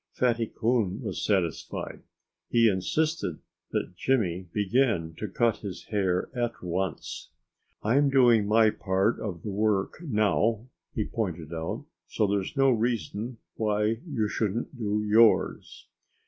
Fatty Coon was satisfied. But he insisted that Jimmy begin to cut his hair at once. "I'm doing my part of the work now," he pointed out. "So there's no reason why you shouldn't do yours."